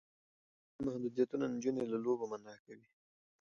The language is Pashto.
د ټولنې محدودیتونه نجونې له لوبو منع کوي.